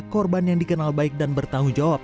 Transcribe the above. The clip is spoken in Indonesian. korban yang dikenal baik dan bertanggung jawab